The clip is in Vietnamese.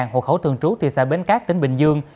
hộ khẩu thường trú thị xã bến cát tỉnh bình dương